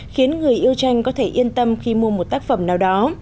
khiến người yêu tranh có thể yên tâm khi mua một tác phẩm nào đó